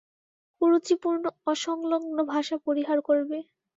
কুরুচিপূর্ণ অসংলগ্ন ভাষা পরিহার করবে।